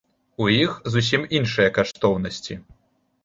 У іх зусім іншыя каштоўнасці.